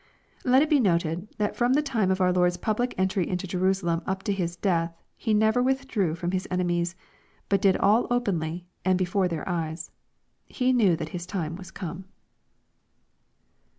] Let it be noted, that from the time of our Lord's public entry into Jerusalem up to His death, He never withdrew from His enemies, but did all openly, and be fore their eyes. He knew that His time was come.